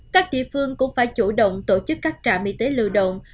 các địa phương cũng phải chủ động tổ chức các trạm y tế lưu động